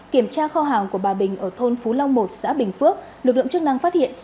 kiểm tra kho hàng của bà bình ở thôn phú long một xã bình phước lực lượng chức năng phát hiện